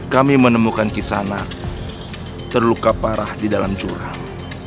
kami menemukan kisana terluka parah di dalam jurang